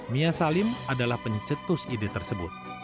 mia salim adalah pencetus ide tersebut